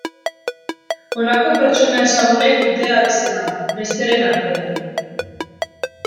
Honako pertsona ezagunek dute abizen hau, besteren artean.